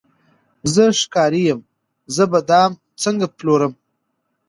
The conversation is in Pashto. زه ښکاري یم زه به دام څنګه پلورمه